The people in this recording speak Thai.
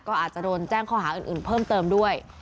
ก็อาจจะโดนแจ้งข้อหาอื่นเพิ่มเติมด้วย